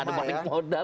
tidak ada balik modal